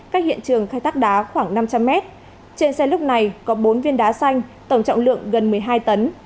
cách hiện trường khai thác đá khoảng năm trăm linh mét trên xe lúc này có bốn viên đá xanh tổng trọng lượng gần một mươi hai tấn